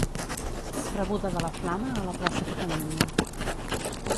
Rebuda de la flama a la Plaça Catalunya.